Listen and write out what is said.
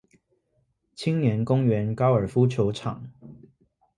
青年公園高爾夫球場